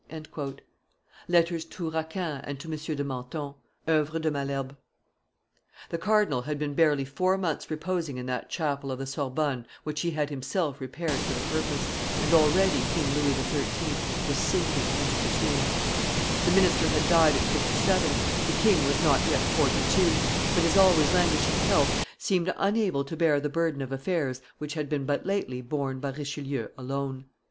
[Letters to Racan and to M. de Mentin. OEuvres de Malherbe, t. iv.] [Illustration: The Tomb of Richelieu 308] The cardinal had been barely four months reposing in that chapel of the Sorbonne which he had himself repaired for the purpose, and already King Louis XIII. was sinking into the tomb. The minister had died at fifty seven, the king was not yet forty two; but his always languishing health seemed unable to bear the burden of affairs which had been but lately borne by Richelieu alone.